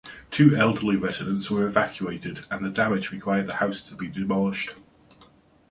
Two elderly residents were evacuated, and the damage required the house to be demolished.